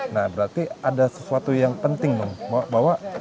nah berarti ada sesuatu yang penting dong bahwa